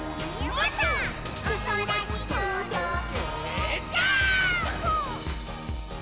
「おそらにとどけジャンプ！！」